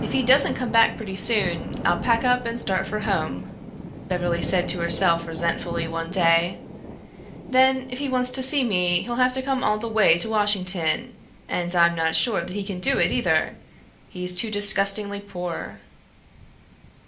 "If he doesn't come back pretty soon, I'll pack up and start for home," Beverly said to herself resentfully one day. "Then if he wants to see me he'll have to come all the way to Washington. And I'm not sure that he can do it, either. He's too disgustingly poor."